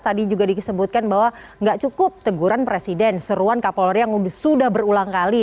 tadi juga disebutkan bahwa nggak cukup teguran presiden seruan kapolri yang sudah berulang kali